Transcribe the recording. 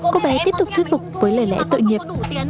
cô bé tiếp tục thuyết phục với lời lẽ tội nghiệp